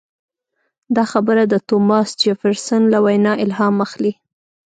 دا خبره د توماس جفرسن له وینا الهام اخلي.